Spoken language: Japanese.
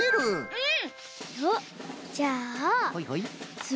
うん。